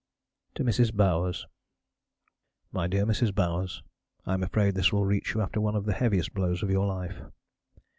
To Mrs. Bowers MY DEAR MRS. BOWERS. I am afraid this will reach you after one of the heaviest blows of your life.